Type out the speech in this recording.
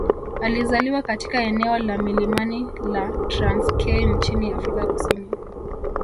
alizaliwa katika eneo la milimani la Transkei nchini Afrika Kusini